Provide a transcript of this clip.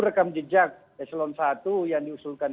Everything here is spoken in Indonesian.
rekam jejak selon satu yang diusulkan